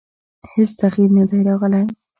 هېڅ تغییر نه دی راغلی.